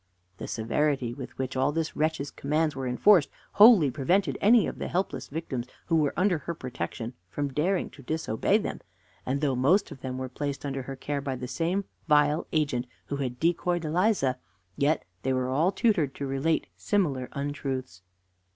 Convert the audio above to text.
The severity with which all this wretch's commands were enforced wholly prevented any of the helpless victims who were under her protection from daring to disobey them; and though most of them were placed under her care by the same vile agent who had decoyed Eliza, yet they were all tutored to relate similar untruths.